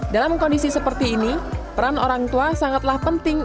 dalam kondisi seperti ini peran orang tua sangatlah penting